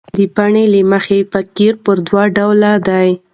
د بڼي له مخه فقره پر دوه ډوله ده.